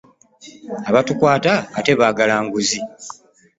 Abatukwata ate baagala nguzi.